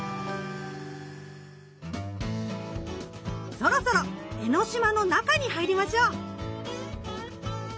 そろそろ江の島の中に入りましょう！